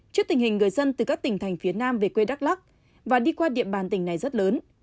trước tình hình người dân từ các tỉnh thành phía nam về quê đắk lắc và đi qua địa bàn tỉnh này rất lớn